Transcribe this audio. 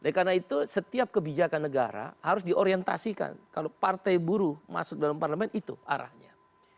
karena itu setiap kebijakan negara harus diorientasikan kalau partai buruh masuk dalam parlemen itu arahnya